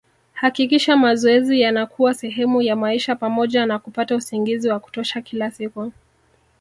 Hakikisha mazoezi yanakuwa sehemu ya maisha pamoja na kupata usingizi wa kutosha kila siku